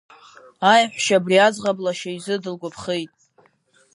Аеҳәшьа абри аӡӷаб лашьа изы дылгәаԥхеит.